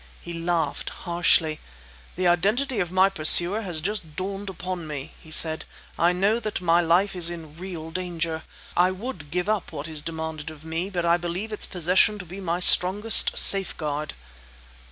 He laughed harshly. "The identity of my pursuer has just dawned upon me," he said. "I know that my life is in real danger. I would give up what is demanded of me, but I believe its possession to be my strongest safeguard."